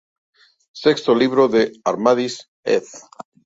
Sexto libro de Amadís", ed.